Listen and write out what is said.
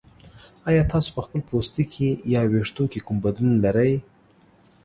ایا تاسو په خپل پوستکي یا ویښتو کې کوم بدلون لرئ؟